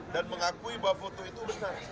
dan mengakui bahwa foto itu benar